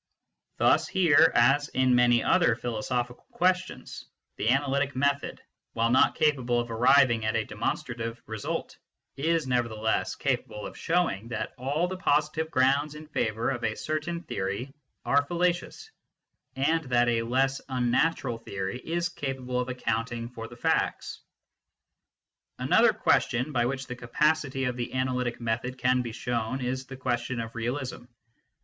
Thus, here as in many other philosophical questions, the analytic method, while not capable of arriving at a demonstrative result, is nevertheless capable of showing that all the positive grounds in favour of a certain theory are fallacious and that a less unnatural theory is capable of accounting for the facts. Another question by which the capacity of the analytic method can be shown is the question of realism.